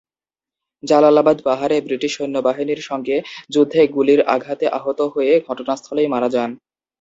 জালালাবাদ পাহাড়ে ব্রিটিশ সৈন্যবাহিনীর সংগে যুদ্ধে গুলির আঘাতে আহত হয়ে ঘটনাস্থলেই মারা যান।